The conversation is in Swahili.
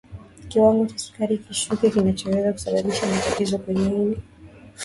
kiwango cha sukari kushuka kinaweza kusababisha matatizo kwenye ini